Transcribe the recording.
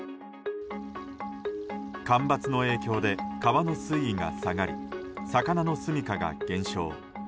干ばつの影響で川の水位が下がり魚のすみかが減少。